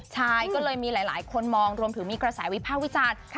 ใช่ก็เลยมีหลายคนมองรวมถึงมีกระแสวิภาควิจารณ์